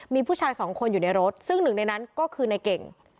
มีผู้ชายสองคนอยู่ในรถซึ่งหนึ่งในนั้นก็คือในเก่ง